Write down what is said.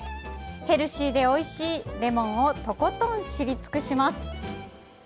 ヘルシーで、おいしいレモンをとことん知り尽くします。